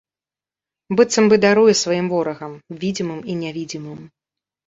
Быццам бы даруе сваім ворагам: відзімым і нявідзімым.